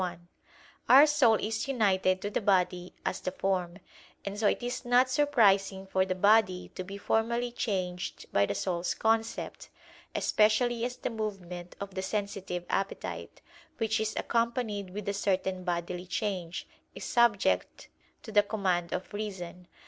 1: Our soul is united to the body as the form; and so it is not surprising for the body to be formally changed by the soul's concept; especially as the movement of the sensitive appetite, which is accompanied with a certain bodily change, is subject to the command of reason.